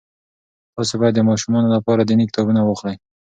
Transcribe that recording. تاسې باید د ماشومانو لپاره دیني کتابونه واخلئ.